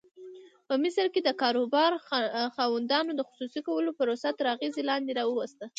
په مصر کې د کاروبار خاوندانو د خصوصي کولو پروسه تر اغېز لاندې راوسته.